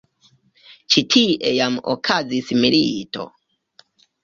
Ĉi tie jam okazis milito.